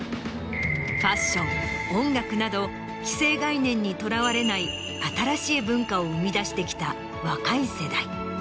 ファッション音楽など既成概念にとらわれない新しい文化を生み出してきた若い世代。